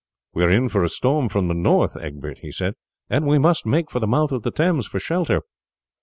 "We are in for a storm from the north, Egbert," he said, "and we must make for the mouth of the Thames for shelter."